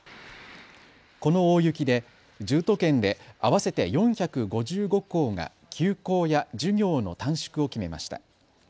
この大雪で１０都県で合わせて４５５校が休校や授業の短縮を決めました。